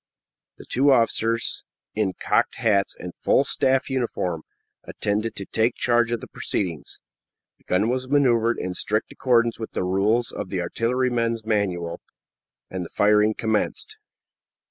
The two officers, in cocked hats and full staff uniform, attended to take charge of the proceedings. The gun was maneuvered in strict accordance with the rules of "The Artilleryman's Manual," and the firing commenced.